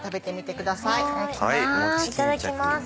いただきます。